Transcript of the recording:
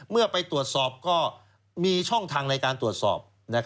เมื่อไปตรวจสอบก็มีช่องทางในการตรวจสอบ